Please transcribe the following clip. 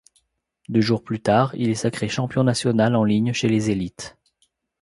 Deux jours plus tard, il est sacré champion national en ligne chez les élites.